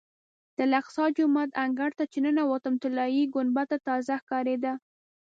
د الاقصی جومات انګړ ته چې ننوتم طلایي ګنبده تازه ښکارېده.